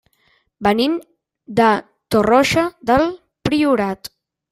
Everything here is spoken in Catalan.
Venim de Torroja del Priorat.